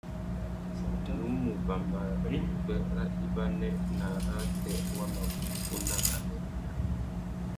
Nnú mù bambara upwê râ ibanê nà arrātê wa mabukú nà améména.